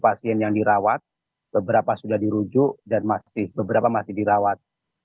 pasien yang dirawat beberapa sudah dirujuk dan beberapa masih dirawat